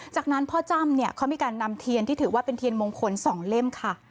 จากนั้นพ่อจ้ำเนี่ยเขามีการนำเทียนที่ถือว่าเป็นเทียนมงคล๒เล่มค่ะ